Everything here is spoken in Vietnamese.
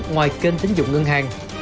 ngoài kênh tính dụng ngân hàng